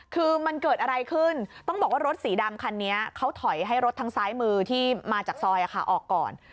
คือมันเกิดอะไรขึ้นต้องบอกว่ารถสีดำคันนี้เขาถอยให้รถทางซ้ายมือที่มาจากซอยออกก่อน